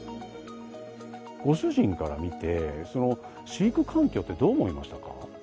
ご主人から見て、その飼育環境ってどう思いましたか？